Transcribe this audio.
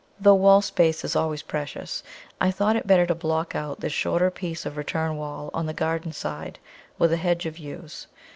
Though wall space is always precious, I thought it better to block out this shorter piece of return wall on the garden side with a hedge of Yews.